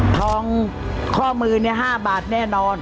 ทองข้อมือ๕บาทแน่นอน